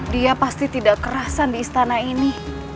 dia pasti tidak kerasan di istana ini